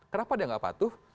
kenapa dia tidak patuh